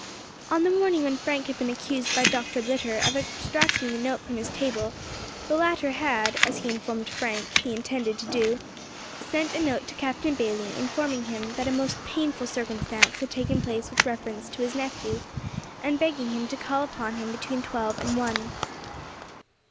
On the morning when Frank had been accused by Dr. Litter of abstracting the note from his table, the latter had, as he had informed Frank he intended to do, sent a note to Captain Bayley informing him that a most painful circumstance had taken place with reference to his nephew, and begging him to call upon him between twelve and one.